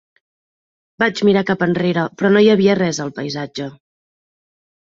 Vaig mirar cap enrere, però no hi havia res al paisatge.